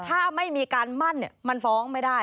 ถ้าไม่มีการมั่นมันฟ้องไม่ได้